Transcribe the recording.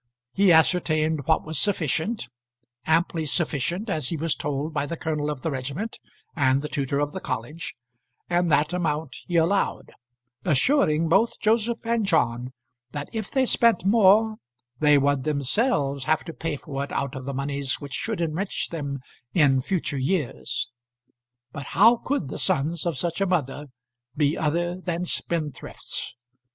He ascertained what was sufficient, amply sufficient as he was told by the colonel of the regiment and the tutor of the college, and that amount he allowed, assuring both Joseph and John that if they spent more, they would themselves have to pay for it out of the moneys which should enrich them in future years. But how could the sons of such a mother be other than spendthrifts?